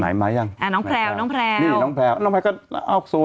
ไหนมั้ยยังนี่น้องแพรวน้องแพรวน้องแพรวก็ออกสวย